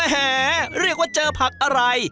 แหเรียกว่าเจอผักอะไร